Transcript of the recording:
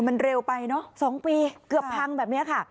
มันเร็วไปเนอะ๒ปีเกือบพังแบบนี้ค่ะ